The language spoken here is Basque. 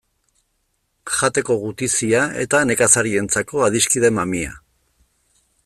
Jateko gutizia eta nekazariarentzako adiskide mamia.